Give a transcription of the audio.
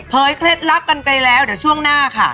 เคล็ดลับกันไปแล้วเดี๋ยวช่วงหน้าค่ะ